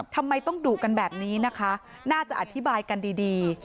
ทำไมต้องดุกันแบบนี้นะคะน่าจะอธิบายกันดี